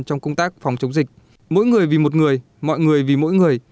trong công tác phòng chống dịch mỗi người vì một người mọi người vì mỗi người